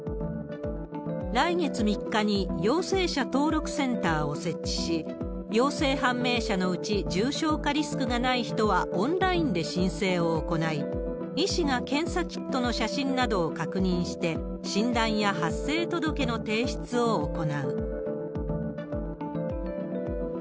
来月３日に陽性者登録センターを設置し、陽性判明者のうち、重症化リスクがない人はオンラインで申請を行い、医師が検査キットの写真などを確認して、診断や発生届の提出を行う。